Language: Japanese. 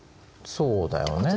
そうだよね。